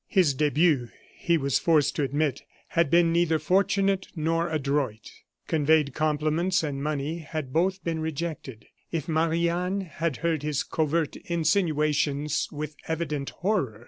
His debut, he was forced to admit, had been neither fortunate nor adroit. Conveyed compliments and money had both been rejected. If Marie Anne had heard his covert insinuations with evident horror, M.